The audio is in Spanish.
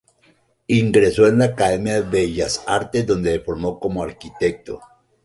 Ingresó en la Academia de Bellas Artes, donde se formó como arquitecto.